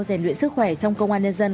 giàn luyện sức khỏe trong công an nhân dân